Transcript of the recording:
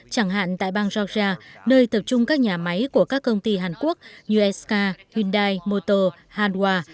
chẳng hạn tại bang georgia nơi tập trung các nhà máy của các công ty hàn quốc như sk hyundai motor hanwha